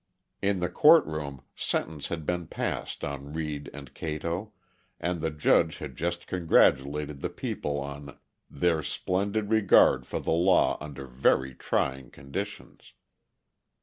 In the court room, sentence had been passed on Reed and Cato, and the judge had just congratulated the people on "their splendid regard for the law under very trying conditions."